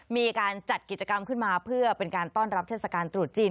มีการจัดกิจกรรมขึ้นมาเพื่อเป็นการต้อนรับเทศกาลตรุษจีน